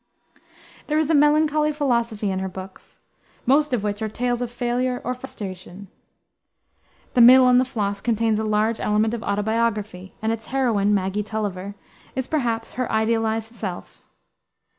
There is a melancholy philosophy in her books, most of which are tales of failure or frustration. The Mill on the Floss contains a large element of autobiography, and its heroine, Maggie Tulliver, is, perhaps, her idealized self.